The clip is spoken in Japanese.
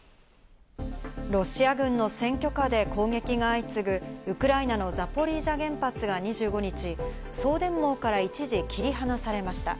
ロシア軍の占拠下で攻撃が相次ぐ、ウクライナのザポリージャ原発が２５日、送電網から一時、切り離されました。